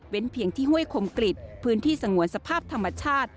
เพียงที่ห้วยคมกริจพื้นที่สงวนสภาพธรรมชาติ